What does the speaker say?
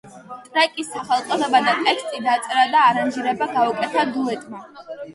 ტრეკის სახელწოდება და ტექსტი დაწერა და არანჟირება გაუკეთდა დუეტმა.